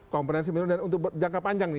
kompetensi menurut dan untuk jangka panjang nih